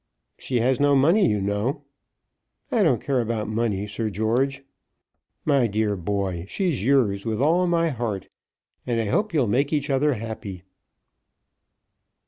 "She has no money, you know." "I don't care about money, Sir George." "My dear boy, she's yours with all my heart; and I hope you'll make each other happy."